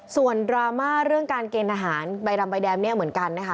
ส่วนดราม่าเรื่องการเกณฑ์อาหารใบดำใบแดงเนี่ยเหมือนกันนะคะ